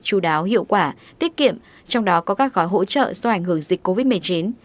chú đáo hiệu quả tiết kiệm trong đó có các gói hỗ trợ do ảnh hưởng dịch covid một mươi chín